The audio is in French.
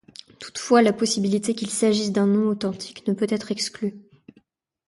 Toutefois, la possibilité qu'il s'agisse d'un nom authentique ne peut être exclue.